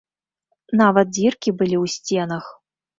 Нават дзіркі былі ў сценах.